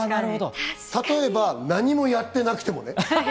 例えば何もやってなくてもね。